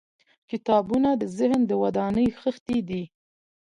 • کتابونه د ذهن د ودانۍ خښتې دي.